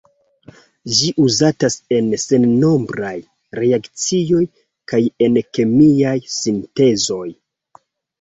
Ĝi uzatas en sennombraj reakcioj kaj en kemiaj sintezoj.